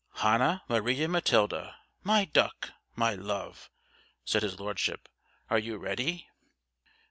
"Hannah Maria Matilda, my duck my dove," said his Lordship, "are you ready?"